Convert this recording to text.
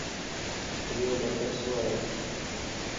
ايو مدرسو ائي